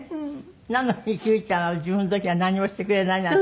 なのに九ちゃんは自分の時はなんにもしてくれないなんて。